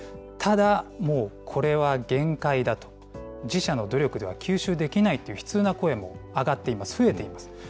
ただ、もうこれは限界だと、自社の努力では吸収できないという悲痛な声も上がっています、増えています。